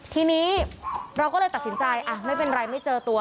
ทีนี้เราก็เลยตัดสินใจไม่เป็นไรไม่เจอตัว